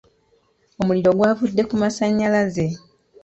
Omuliro gwavudde ku masannyalaze